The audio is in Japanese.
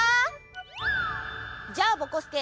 じゃあぼこすけ